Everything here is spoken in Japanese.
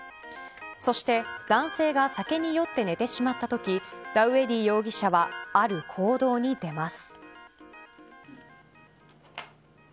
そして、男性が酒に酔って寝てしまったときダウエディ容疑者はある行動に出ます。